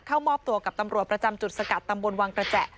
เข้ามอบตัวกับตำรวจประจำจุดสกัดตำบลวังกระแจ